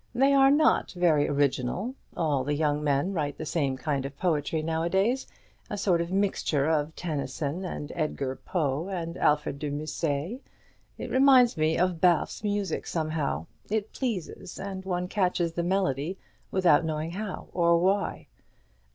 They're not very original; all the young men write the same kind of poetry nowadays a sort of mixture of Tennyson, and Edgar Poe, and Alfred de Musset. It reminds me of Balfe's music, somehow; it pleases, and one catches the melody without knowing how or why.